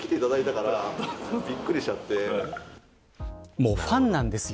もうファンなんですよ。